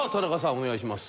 お願いします。